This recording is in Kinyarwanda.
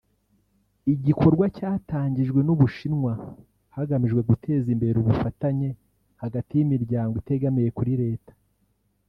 igikorwa cyatangijwe n’u Bushinwa hagamijwe guteza imbere ubufatanye hagati y’imiryango itegamiye kuri leta